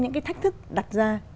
những thách thức đặt ra